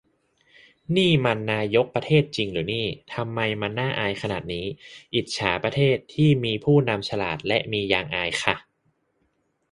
นี่มันนายก ประเทศ จริงหรือนี่ ทำไมมันน่าอายขนาดนี้ อิจฉาประเทศ ที่มีผู้นำฉลาด และมียางอายค่ะ